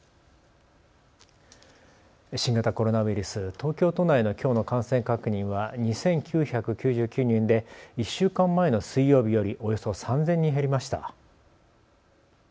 新型コロナウイルス、東京都内のきょうの感染確認は２９９９人で１週間前の水曜日よりおよそ３０００人減りました。